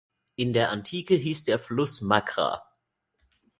In der Antike hieß der Fluss "Macra".